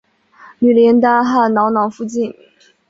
女林丹汗囊囊福晋。